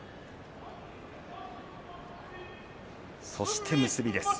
そして結びです。